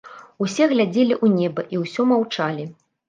Усе глядзелі ў неба, і ўсё маўчалі.